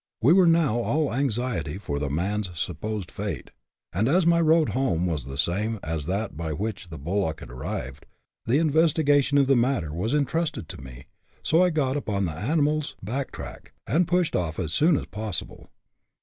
We were now all anxiety for the man's supposed fate ; and as my road home was the same as that by which the bullock had arrived, the in vestigation of the matter was entrusted to me, so I got upon the animal's " back track," and pushed off as soon as possible.